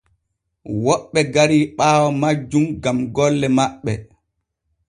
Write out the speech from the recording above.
Woɓɓe gari ɓaawo majjum gam golle maɓɓe.